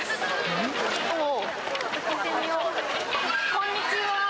こんにちは。